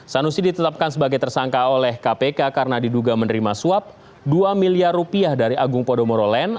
sanusi ditetapkan sebagai tersangka oleh kpk karena diduga menerima suap dua miliar rupiah dari agung podomoro land